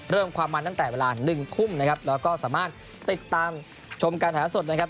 เริ่มความมันตั้งแต่เวลาหนึ่งทุ่มนะครับแล้วก็สามารถติดตามชมการถ่ายสดนะครับ